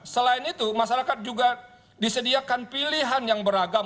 selain itu masyarakat juga disediakan pilihan yang beragam